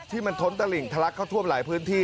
มันท้นตะหลิ่งทะลักเข้าท่วมหลายพื้นที่